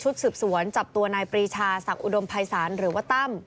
สืบสวนจับตัวนายปรีชาศักดิอุดมภัยศาลหรือว่าตั้ม